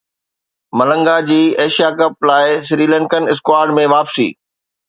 ملنگا جي Asia cup لاءِ Sri Lankan squad ۾ واپسي